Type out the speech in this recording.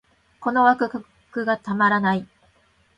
このワクワクがたまらない